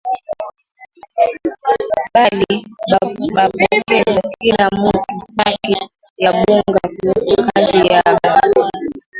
Bali bapokeza kila mutu saki ya bunga ku kazi yabo